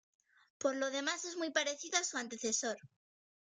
Por lo demás es muy parecido a su antecesor.